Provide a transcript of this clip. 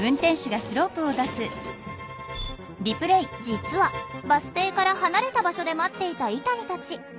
実はバス停から離れた場所で待っていたイタニたち。